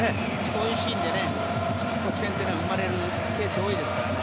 こういうシーンで得点が生まれるケースが多いですからね。